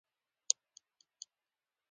چای نه و.